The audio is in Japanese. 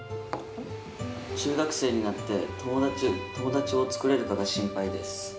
中学生になって、友達を作れるかが心配です。